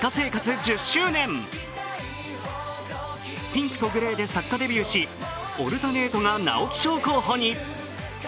「ピンクとグレー」で作家デビューし「オルタネート」が直木賞候補に。